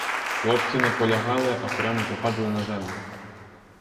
Хлопці не полягали, а прямо попадали на землю.